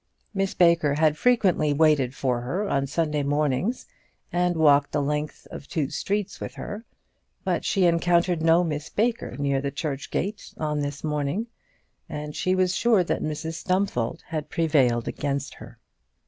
Miss Baker had frequently waited for her on Sunday mornings, and walked the length of two streets with her; but she encountered no Miss Baker near the church gate on this morning, and she was sure that Mrs Stumfold had prevailed against her.